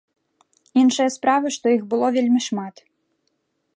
Іншая справа, што іх было вельмі шмат.